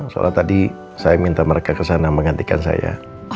soalnya tadi saya minta mereka kesana mengantikan saya